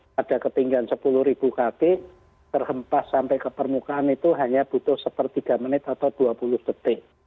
pada ketinggian sepuluh ribu kaki terhempas sampai ke permukaan itu hanya butuh sepertiga menit atau dua puluh detik